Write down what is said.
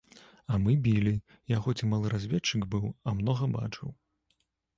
А мы білі, я хоць і малы разведчык быў, а многа бачыў.